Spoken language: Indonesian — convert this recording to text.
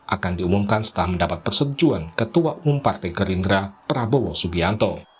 akan diumumkan setelah mendapat persetujuan ketua umum partai gerindra prabowo subianto